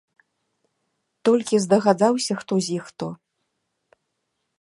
Толькі здагадаўся хто з іх хто?